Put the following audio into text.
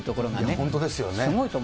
本当ですよね。